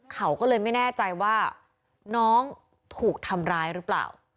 เขาก็เลยไม่แน่ใจว่าน้องถูกทำร้ายหรือเปล่า